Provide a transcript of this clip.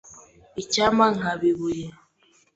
Icyampa nkaba ibuye.